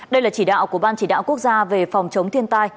đây là chỉ đạo của ban chỉ đạo quốc gia về phòng chống thiên tai